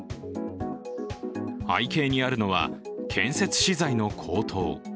背景にあるのは建設資材の高騰。